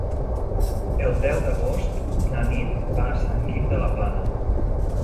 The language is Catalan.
El deu d'agost na Nit va a Sant Guim de la Plana.